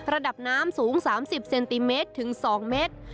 ระดับน้ำสูง๓๐เซนติเมตรถึง๒เมตร